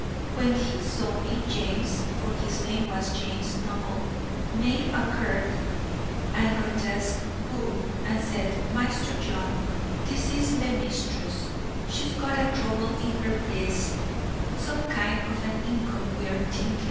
When he saw me, James (for his name was James Noble) made a curt and grotesque "boo," and said, "Maister John, this is the mistress; she's got a trouble in her breest some kind of an income we're thinkin'."